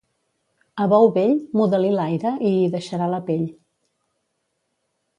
A bou vell, muda-li l'aire i hi deixarà la pell.